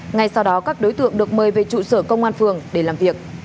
ngay sau đó các đối tượng được mời về trụ sở công an phường để làm việc